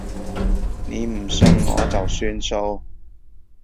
你唔信我就算數